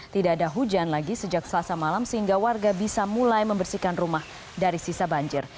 tidak ada hujan lagi sejak selasa malam sehingga warga bisa mulai membersihkan rumah dari sisa banjir